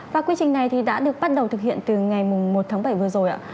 và quy trình này thì đã được bắt đầu thực hiện từ ngày một tháng bảy vừa rồi ạ